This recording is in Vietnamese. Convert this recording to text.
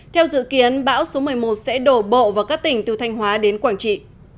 theo dự kiến bão số một mươi một sẽ đổ bộ vào các tỉnh từ thanh hóa đến quảng trị